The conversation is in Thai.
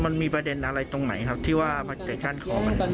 มันมีประเด็นอะไรตรงไหนครับที่ว่าเกิดก้านคอมัน